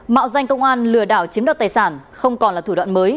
mạo danh công an lừa đảo chiếm đoạt tài sản không còn là thủ đoạn mới